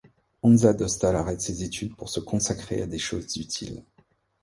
Honza Dostál arrête ses études pour se consacrer à des choses utiles.